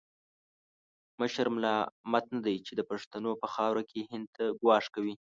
مشرف ملامت نه دی چې د پښتنو په خاوره کې هند ته ګواښ کوي.